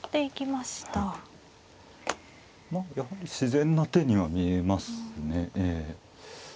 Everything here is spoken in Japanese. まあ逆に自然な手には見えますね。